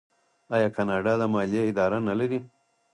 آیا کاناډا د مالیې اداره نلري؟